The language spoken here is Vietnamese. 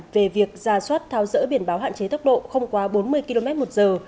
về việc giả soát tháo rỡ biển báo hạn chế tốc độ không quá bốn mươi km một giờ